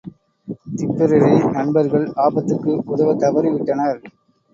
Tipperary நண்பர்கள் ஆபத்துக்கு உதவத் தவறி விட்டனர்.